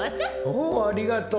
おおありがとう。